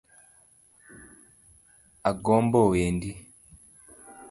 Agombo wendi.